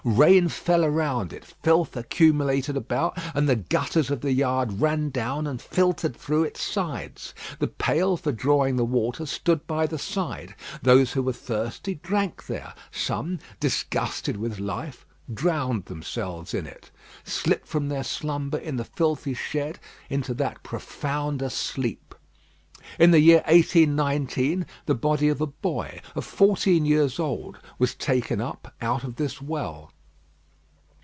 Rain fell around it; filth accumulated about, and the gutters of the yard ran down and filtered through its sides. The pail for drawing the water stood by the side. Those who were thirsty drank there; some, disgusted with life, drowned themselves in it slipped from their slumber in the filthy shed into that profounder sleep. In the year 1819, the body of a boy, of fourteen years old, was taken up out of this well.